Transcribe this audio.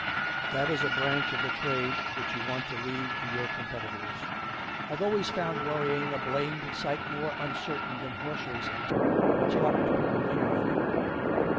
That is a branch of the trade which you want to leave to our competitors. I've always found worrying a blamed sight more uncertain than horse racing it's harder to pick a winner at it.